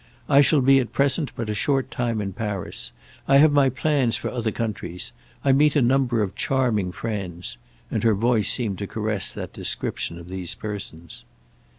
"I shall be at present but a short time in Paris. I have my plans for other countries. I meet a number of charming friends"—and her voice seemed to caress that description of these persons.